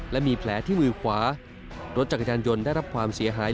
และมีแผลที่มือขวารถจักรยานยนต์ได้รับความเสียหาย